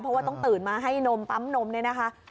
เพราะว่าต้องตื่นมาให้นมปั๊มนมเนี่ยนะคะ